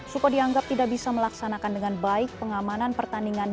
suko dianggap tidak bisa melaksanakan dengan baik pengamanan pertandingan